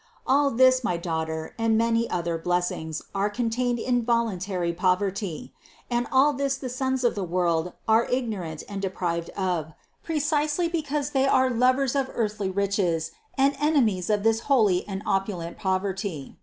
All this, my daughter, and many other blessings are contained in vol untary poverty, and all this the sons of the world are ignorant and deprived of, precisely because they are lov ers of earthly riches and enemies of this holy and opulent poverty.